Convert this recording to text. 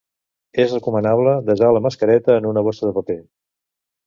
És recomanable desar la mascareta en una bossa de paper.